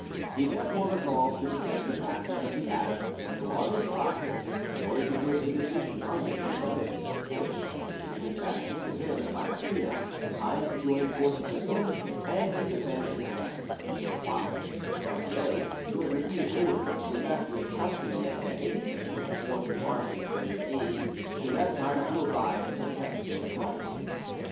He therefore resolved to defend the passage of the Adda as long as possible, in order to give the division under Dessolles, which was to be despatched to him by Massena, time to join forces with him and to defend his left, whilst Gauthier, who had received orders to evacuate Tuscany and to hasten with forced marches to his aid, should have time to arrive and protect his right.